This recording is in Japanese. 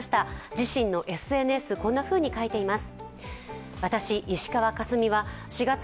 自身のＳＮＳ、こんなふうに書いています。